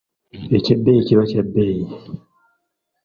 Eky’ebbeeyi kiba kya bbeeyi.